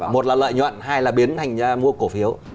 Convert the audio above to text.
một là lợi nhuận hai là biến thành mua cổ phiếu